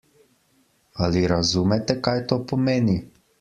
Ali razumete, kaj to pomeni?